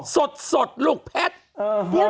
สดหลูกแพทย์